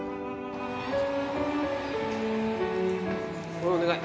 これお願い